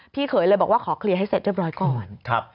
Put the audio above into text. เขยเลยบอกว่าขอเคลียร์ให้เสร็จเรียบร้อยก่อน